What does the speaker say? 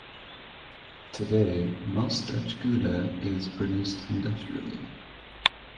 Today, most Dutch Gouda is produced industrially.